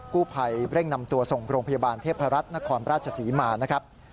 กู้ภัยเร่งนำตัวส่งโรงพยาบาลเทพรัฐนครราชศรีมานะครับ